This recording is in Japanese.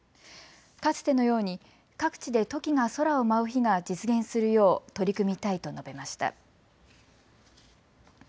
かつてのように各地でトキが空を舞う日が実現するよう取り組みたいと述べました。